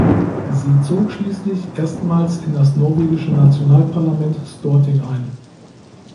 Sie zog schließlich erstmals in das norwegische Nationalparlament Storting ein.